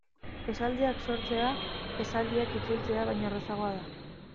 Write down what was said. Esaldiak sortzea esaldiak itzultzea baino errazagoa da.